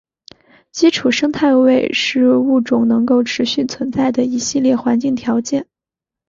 基础生态位是物种能够持续存在的一系列环境条件。